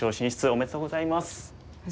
ありがとうございます。